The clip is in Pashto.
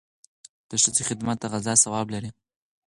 د ښځې خدمت د غزا ثواب لري.